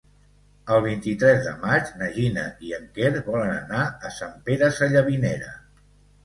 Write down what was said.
El vint-i-tres de maig na Gina i en Quer volen anar a Sant Pere Sallavinera.